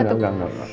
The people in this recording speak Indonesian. enggak enggak enggak